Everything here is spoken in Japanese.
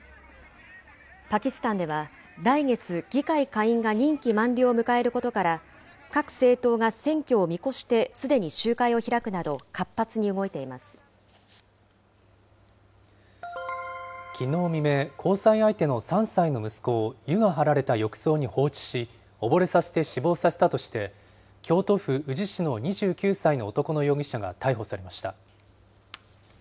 パキスタンでは、来月、議会下院が任期満了を迎えることから、各政党が選挙を見越してすでに集会を開くなど、活発に動いていまきのう未明、交際相手の３歳の息子を湯が張られた浴槽に放置し、溺れさせて死亡させたとして、京都府宇治市の２９歳の男の容疑者が逮捕されました。